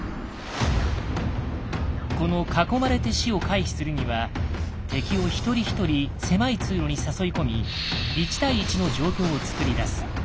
この「囲まれて死」を回避するには敵を一人一人狭い通路に誘い込み１対１の状況を作り出す。